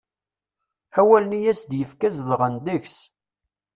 Awalen i as-d-yefka zedɣen deg-s.